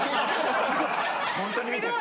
・ホントに見てる。